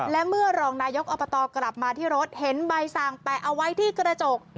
และเมื่อรองนายกอบตกลับมาที่รถเห็นใบสั่งแปะเอาไว้ที่กระจก